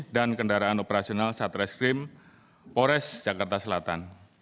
dan kendaraan operasional satreskrimpores jakarta selatan